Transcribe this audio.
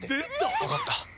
わかった。